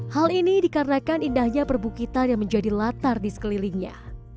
hal ini dikarenakan indahnya perbukitan yang menjadi latar di sekelilingnya